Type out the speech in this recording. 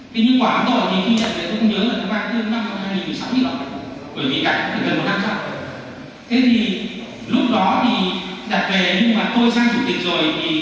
thế thì asean là người đang diễn tả giúp tôi chứ không phải đèn này là của công ty chặn